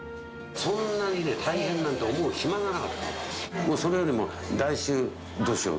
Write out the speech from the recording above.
そんなにね、大変なんて思う暇がなかったんですよ。